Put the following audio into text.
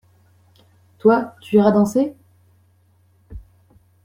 Toi tu iras danser ?